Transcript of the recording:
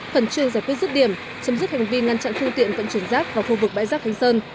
phần chuyên giải quyết rứt điểm chấm dứt hành vi ngăn chặn phương tiện vận chuyển rác vào phương vực bãi rác hành sơn